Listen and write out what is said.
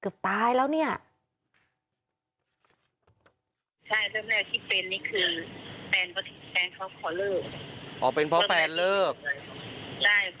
วันนี้มันรู้สึกว่า